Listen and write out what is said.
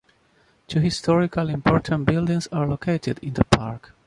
Two historical important buildings are located in the park.